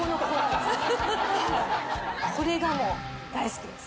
これがもう大好きです。